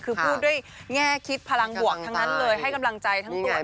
คือพูดด้วยแง่คิดพลังบวกทั้งนั้นเลยให้กำลังใจทั้งตัว